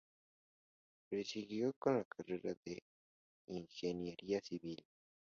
Prosiguió con la carrera de ingeniería civil.